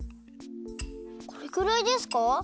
これくらいですか？